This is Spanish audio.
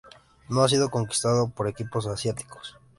No ha sido conquistada por equipos asiáticos.